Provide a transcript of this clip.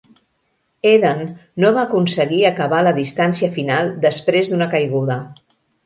Eden no va aconseguir acabar la distància final després d'una caiguda.